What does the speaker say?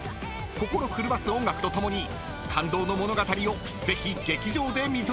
［心震わす音楽とともに感動の物語をぜひ劇場で見届けてください］